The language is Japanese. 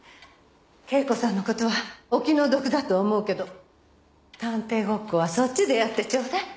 恵子さんの事はお気の毒だと思うけど探偵ごっこはそっちでやってちょうだい。